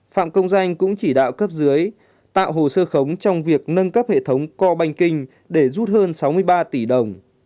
phạm công danh cũng chỉ đạo cấp dưới tạo hồ sơ khống trong việc nâng cấp hệ thống co banh kinh để rút hơn sáu mươi ba tỷ đồng